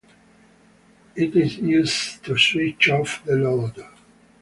It is used to switch off the load.